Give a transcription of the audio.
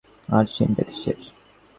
এখন তো তোমার হুকুমই চলে, তাই আর চিন্তা কীসের?